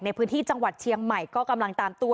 ในพื้นที่จังหวัดเชียงใหม่ก็กำลังตามตัว